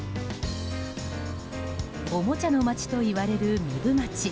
おもちゃの町といわれる壬生町。